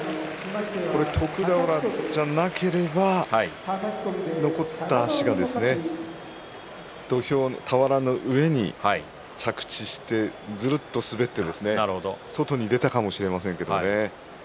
これ徳俵でなければ残った足が俵の上に着地してずるっと滑って外に出たかもしれませんけどね。